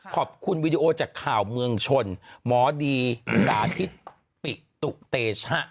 ขอบคุณวีดีโอจากข่าวเมืองชนหมอดีสาธิตปิตุเตชะ